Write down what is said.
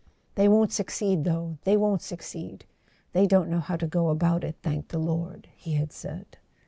"They won't succeed, though, they won't succeed: they don't know how to go about it, thank the Lord," he had said.